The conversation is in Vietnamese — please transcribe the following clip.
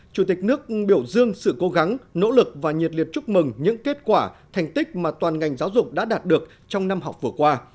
chủ tịch nước biểu dương sự cố gắng nỗ lực và nhiệt liệt chúc mừng những kết quả thành tích mà toàn ngành giáo dục đã đạt được trong năm học vừa qua